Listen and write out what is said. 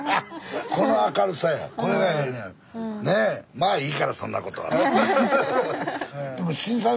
「まあいいからそんなこと」って。